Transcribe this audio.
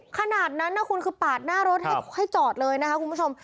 ขนาดนั้นนะคุณคือปาดหน้ารถให้จอดเลยนะคะคุณผู้ชม